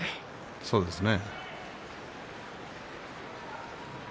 そうですね。